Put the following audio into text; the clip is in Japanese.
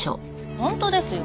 本当ですよ。